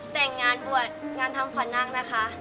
แต่งงานบวชงานทำขวัญนั่งนะคะ